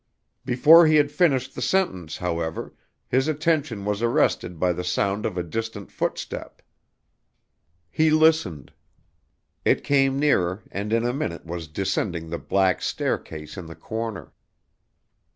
Before he had finished the sentence, however, his attention was arrested by the sound of a distant footstep. He listened; it came nearer, and in a minute was descending the black staircase in the corner.